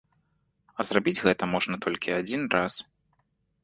А зрабіць гэта можна толькі адзін раз.